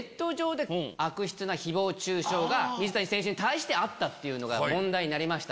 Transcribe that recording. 水谷選手に対してあったっていうのが問題になりました。